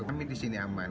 kami disini aman